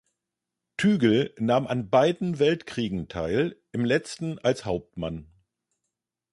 Tügel nahm an beiden Weltkriegen teil, im letzten als Hauptmann.